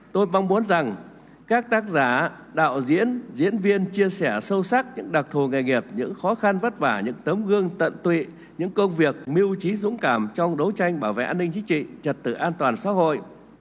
tôi mong muốn rằng các tác giả đạo diễn diễn viên chia sẻ sâu sắc những đặc thù nghề nghiệp những khó khăn vất vả những tấm gương tận tụy những công việc mưu trí dũng cảm trong đấu tranh bảo vệ an ninh chính trị trật tự an toàn xã hội